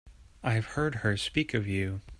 I've heard her speak of you.